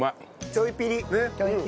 ちょいピリ。